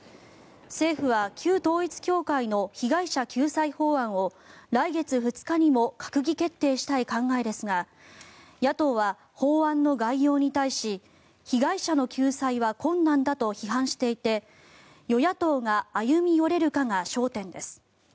政府は旧統一教会の被害者救済法案を来月２日にも閣議決定したい考えですが野党は法案の概要に対し被害者の救済は困難だと批判していて、与野党が歩み寄れるかが焦点です。